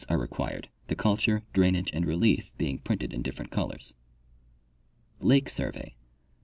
are required, the culture, drainage and relief being printed in different colors. Lake Survey.